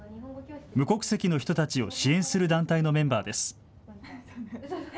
無国籍の人たちを支援する団体のメンバーです。